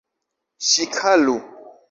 Ŝikalu!